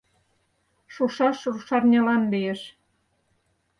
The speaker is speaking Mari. Шушаш рушарнялан лиеш.